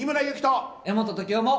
柄本時生も。